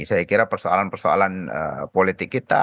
saya kira persoalan persoalan politik kita